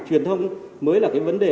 truyền thông mới là cái vấn đề